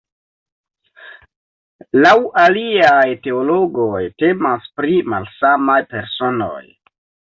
Laŭ aliaj teologoj temas pri malsamaj personoj.